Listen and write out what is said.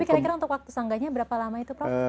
kira kira waktu sanggahnya berapa lama itu prof